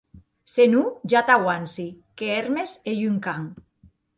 Se non, ja t'auanci que Hermes ei un can.